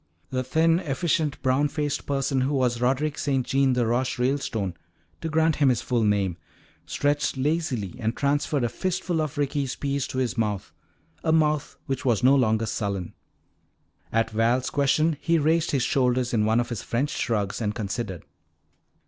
The thin, efficient, brown faced person who was Roderick St. Jean de Roche Ralestone, to grant him his full name, stretched lazily and transferred a fistful of Ricky's peas to his mouth, a mouth which was no longer sullen. At Val's question he raised his shoulders in one of his French shrugs and considered.